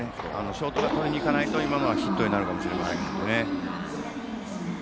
ショートがとりにいかないと今のはヒットになるかもしれませんからね。